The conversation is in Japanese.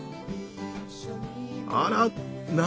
あら何？